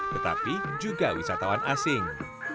tetapi juga wisatawan asing